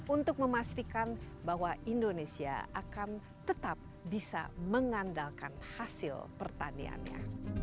untuk memastikan bahwa indonesia akan tetap bisa mengandalkan hasil pertaniannya